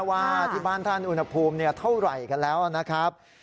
ว่าที่บ้านท่านอุณหภูมิเท่าไหร่กันแล้วนะครับ